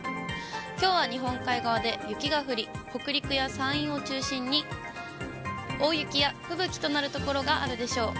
きょうは日本海側で雪が降り、北陸や山陰を中心に大雪や吹雪となる所があるでしょう。